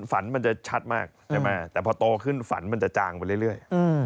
ฝันมันจะชัดมากใช่ไหมแต่พอโตขึ้นฝันมันจะจางไปเรื่อย